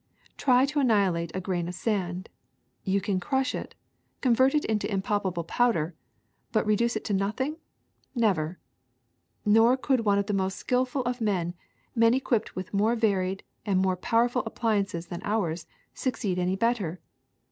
Try to annihilate a grain of sand. You can crush it, convert it into im palpable powder; but reduce it to nothing — never. Nor could the most skilful of men, men equipped with more varied and more powerful appliances than ours, succeed any better.